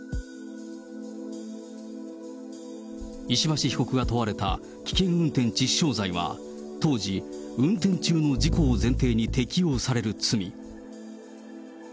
石橋被告が問われた危険運転致死傷罪は、当時、運転中の事故を前提に適用される罪。